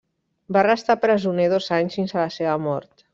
Va restar presoner dos anys fins a la seva mort.